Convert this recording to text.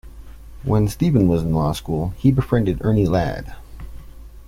When Stevens was in law school, he befriended Ernie Ladd.